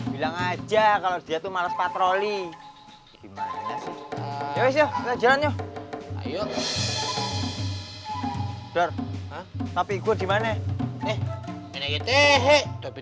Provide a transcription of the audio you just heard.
bilang aja kalau dia tuh males patroli